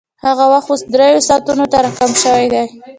هغه وخت اوس درېیو ساعتونو ته راکم شوی دی